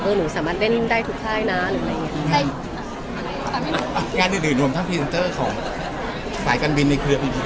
เออหนูสามารถเล่นได้ทุกท่ายนะหรืออะไรอย่างนี้